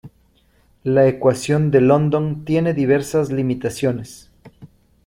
La ecuación de London tiene diversas limitaciones.